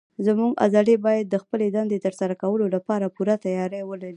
زموږ عضلې باید د خپلې دندې تر سره کولو لپاره پوره تیاری ولري.